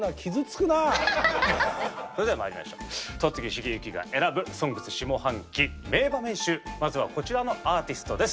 戸次重幸が選ぶ「ＳＯＮＧＳ」下半期名場面集まずはこちらのアーティストです。